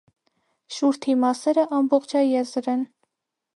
Շուրթի մասերը ամբողջաեզր են։